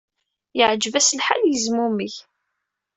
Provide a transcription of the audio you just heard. Yeɛjeb-as lḥal, yezmumeg.